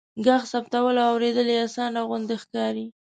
ږغ ثبتول او اوریدل يې آسانه غوندې ښکاري.